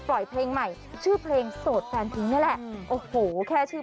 ปล่อยเพลงใหม่ชื่อเพลงโสดแฟนทิ้งนี่แหละโอ้โหแค่ชื่อ